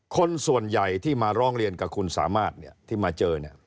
คนส่วนใหญ่ที่มาร้องเรียนกับคุณสามารถที่มาเจอ